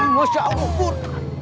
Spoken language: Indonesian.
masya allah bur